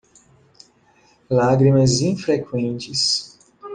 Lágrimas infreqüentes